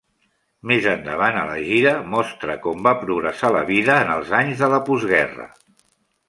Més endavant a la gira mostra com va progressar la vida en els anys de la postguerra.